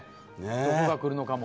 どこが来るのかも。